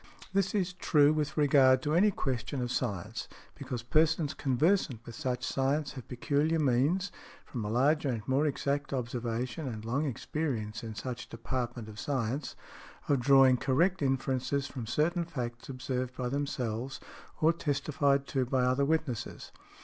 This is true with regard to any question of science, because persons conversant with such science have peculiar means, from a larger and more exact observation and long experience in such department of science, of drawing correct inferences from certain facts observed by themselves or testified to by other witnesses.